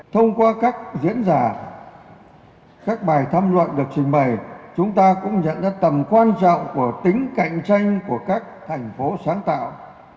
thông qua các diễn giả các bài tham luận được trình bày chúng ta cũng nhận ra tầm quan trọng của tính cạnh tranh của các thành phố sáng tạo